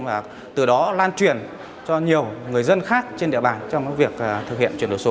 và từ đó lan truyền cho nhiều người dân khác trên địa bàn trong việc thực hiện chuyển đổi số